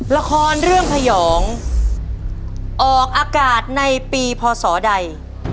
ละครเรื่องพยองออกอากาศในปีพศใด